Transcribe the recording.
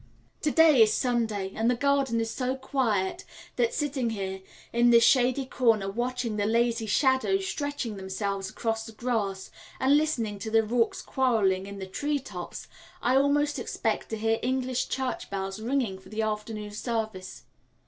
To day is Sunday, and the garden is so quiet, that, sitting here in this shady corner watching the lazy shadows stretching themselves across the grass, and listening to the rooks quarrelling in the treetops, I almost expect to hear English church bells ringing for the afternoon service.